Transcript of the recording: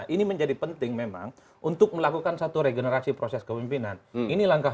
ini menjadi penting memang untuk melakukan satu regenerasi proses kewimpinan